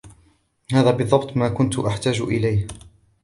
هذا بالضبط ما كنت أحتاج إليه.